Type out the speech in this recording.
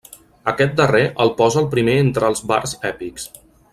Aquest darrer el posa el primer entre els bards èpics.